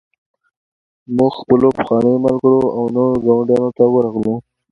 موږ خپلو پخوانیو ملګرو او نویو ګاونډیانو ته ورغلو